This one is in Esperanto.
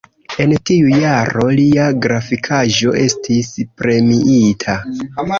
En tiu jaro lia grafikaĵo estis premiita.